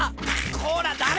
こらダメ！